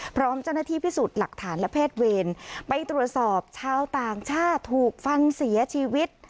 พร้อมเจ้าหน้าที่พิสูจน์หลักฐานและแพทย์เวรไปตรวจสอบชาวต่างชาติถูกฟันเสียชีวิต